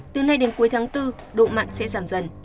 từ nay đến cuối tháng bốn độ mặn sẽ giảm dần